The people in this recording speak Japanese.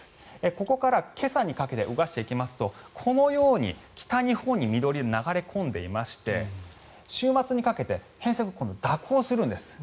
ここから今朝にかけて動かしていきますとこのように北日本に緑色が流れ込んでいまして週末にかけて偏西風が蛇行するんです。